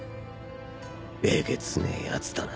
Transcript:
えげつねえやつだな